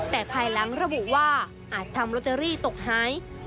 แต่ภายหลังระบุว่าอาจทำลอตเตอรี่ตกหาย